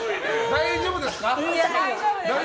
大丈夫です。